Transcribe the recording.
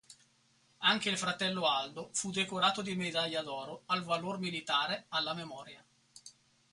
Anche il fratello Aldo fu decorato di medaglia d'oro al valor militare alla "memoria".